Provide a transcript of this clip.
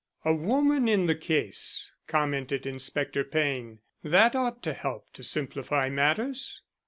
"A woman in the case," commented Inspector Payne. "That ought to help to simplify matters."